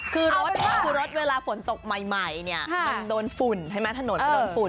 คือรถเวลาฝนตกใหม่เนี่ยมันโดนฝุ่นใช่ไหมถนนโดนฝุ่น